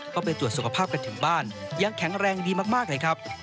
ก็ไปตรวจสุขภาพกันถึงบ้านยังแข็งแรงดีมากเลยครับ